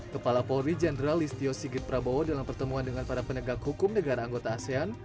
kepala polri jenderal listio sigit prabowo dalam pertemuan dengan para penegak hukum negara anggota asean